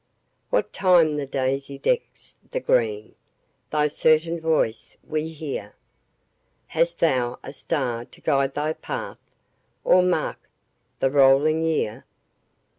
What time the daisy decks the green, Thy certain voice we hear. Hast thou a star to guide thy path, Or mark the rolling year?